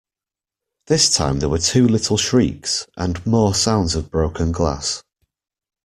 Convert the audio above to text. This time there were two little shrieks, and more sounds of broken glass.